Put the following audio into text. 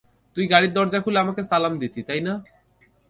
তুই গাড়ির দরজা খুলে আমাকে সালাম দিতি, তাই না?